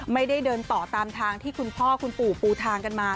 ไม่ได้เดินต่อตามทางที่คุณพ่อคุณปู่ปูทางกันมา